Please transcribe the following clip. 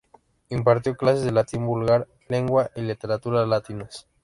Impartió clases de latín vulgar, lengua y literatura latinas.